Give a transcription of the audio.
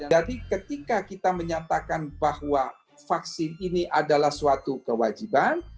jadi ketika kita menyatakan bahwa vaksin ini adalah suatu kewajiban